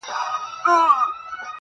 • جانان ستا وي او په برخه د بل چا سي..